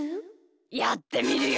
やってみるよ。